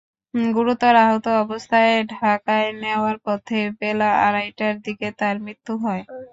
গুরুতর আহত অবস্থায় ঢাকায় নেওয়ার পথে বেলা আড়াইটার দিকে তাঁর মৃত্যু হয়।